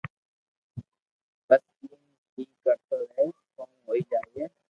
بس ايم ھي ڪرتو رھي ڪوم ھوئي جائي